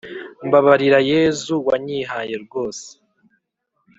mbabarira yezu wanyihaye rwose